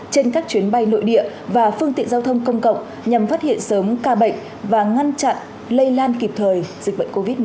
trên các chuyến bay nội địa và phương tiện giao thông công cộng nhằm phát hiện sớm ca bệnh và ngăn chặn lây lan kịp thời dịch bệnh covid một mươi chín